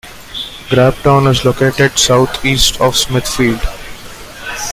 Grabtown is located southeast of Smithfield.